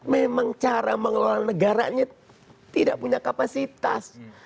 memang cara mengelola negaranya tidak punya kapasitas